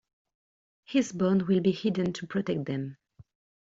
His bones will be hidden to protect them.